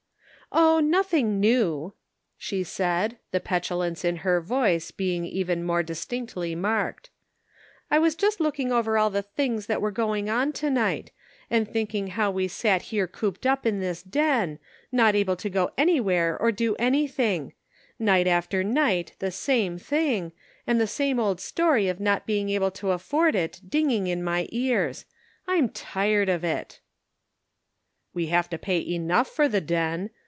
"Oh, nothing new," she said, the petulance in her voice being even more distinctly marked :" I was just looking over all the things that were going on to night, and think ing how we sat here cooped up in this den, not able to go anywhere or do anything; night after night the same thing, and the same old story of not being able to afford it dinging in my ears. I'm tired of it." " We have to pay enough for the den.